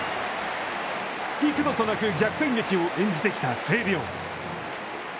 幾度となく逆転劇を演じてきた星稜。